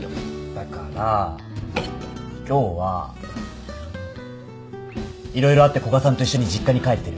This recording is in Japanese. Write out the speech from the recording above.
だから今日は色々あって古賀さんと一緒に実家に帰ってる。